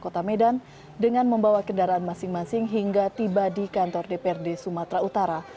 kota medan dengan membawa kendaraan masing masing hingga tiba di kantor dprd sumatera utara